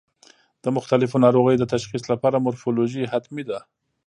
د مختلفو ناروغیو د تشخیص لپاره مورفولوژي حتمي ده.